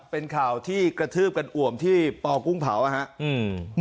เป็นข่าวที่กระทืบกันอ่วมที่ปอกุ้งเผานะครับ